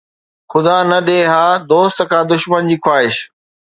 خدا نه ڏئي ها! دوست کان دشمن جي خواهش